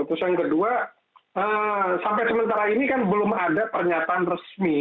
terus yang kedua sampai sementara ini kan belum ada pernyataan resmi